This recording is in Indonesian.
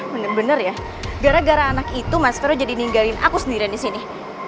bener bener ya gara gara anak itu mas fero jadi ninggalin aku sendiri disini